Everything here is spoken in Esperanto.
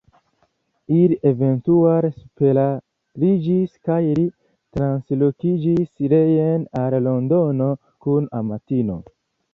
Ili eventuale separiĝis kaj li translokiĝis reen al Londono kun amatino.